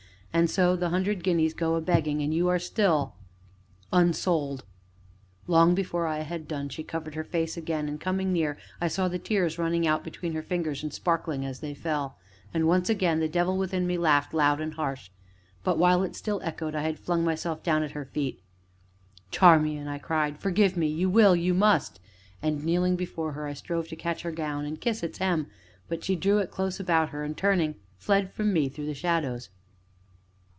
And so the hundred guineas go a begging, and you are still unsold!" Long before I had done she had covered her face again, and, coming near, I saw the tears running out between her fingers and sparkling as they fell. And once again the devil within me laughed loud and harsh. But, while it still echoed, I had flung myself down at her feet. "Charmian," I cried, "forgive me you will, you must!" and, kneeling before her, I strove to catch her gown, and kiss its hem, but she drew it close about her, and, turning, fled from me through the shadows.